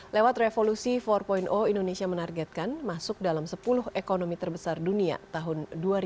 lewat revolusi empat indonesia menargetkan masuk dalam sepuluh ekonomi terbesar dunia tahun dua ribu dua puluh